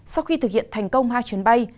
sau khi thực hiện thành công hai chuyến bay